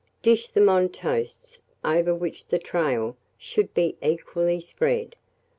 Dish them on the toasts, over which the trail should be equally spread.